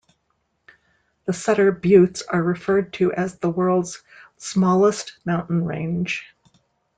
The Sutter Buttes are referred to as the world's smallest mountain range.